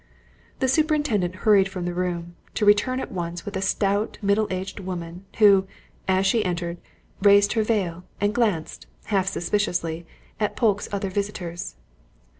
The superintendent hurried from the room to return at once with a stout, middle aged woman, who, as she entered, raised her veil and glanced half suspiciously at Polke's other visitors.